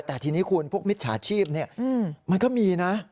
แต่ทีนี้คุณพวกมิจฉาชีพมันก็มีนะ